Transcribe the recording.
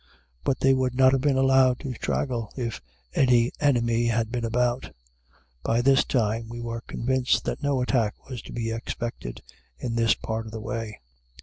But they would not have been allowed to straggle, if any enemy had been about. By this time we were convinced that no attack was to be expected in this part of the way.